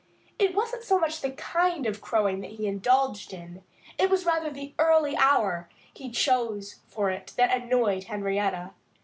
It wasn't so much the kind of crowing that he indulged in; it was rather the early hour he chose for it that annoyed Henrietta.